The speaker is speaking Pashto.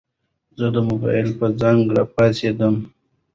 زه د موبايل په زنګ راپاڅېدم.